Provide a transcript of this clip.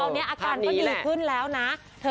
อาการก็ดีขึ้นแล้วออกไปเนี่ย